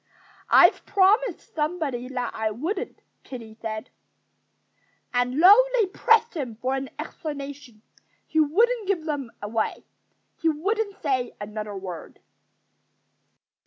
"I've promised somebody that I wouldn't," Kiddie said. And though they pressed him for an explanation, he wouldn't give them any. He wouldn't say another word.